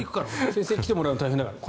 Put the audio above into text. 先生に来てもらうの大変だから